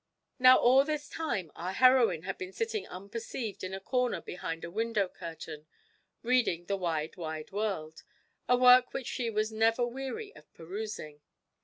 Now, all this time our heroine had been sitting unperceived in a corner behind a window curtain, reading 'The Wide, Wide World,' a work which she was never weary of perusing.